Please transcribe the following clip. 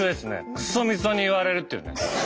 「クソみそに言われる」っていうね。